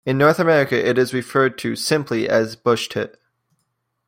In North America, it is referred to simply as "bushtit".